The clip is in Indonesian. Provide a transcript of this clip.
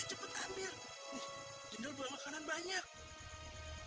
revirasi hai cepet ambil jendol banyak